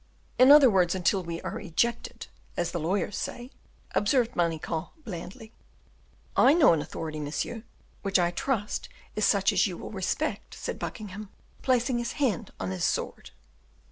"In other words, until we are ejected, as the lawyers say," observed Manicamp, blandly. "I know an authority, monsieur, which I trust is such as you will respect," said Buckingham, placing his hand on his sword.